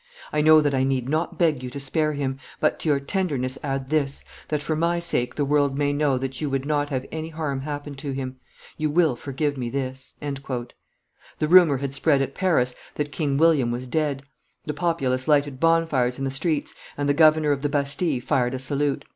I know that I need not beg you to spare him, but to your tenderness add this, that for my sake the world may know that you would not have any harm happen to him. You will forgive me this." The rumor had spread at Paris that King William was dead; the populace lighted bonfires in the streets; and the governor of the Bastille fired a salute.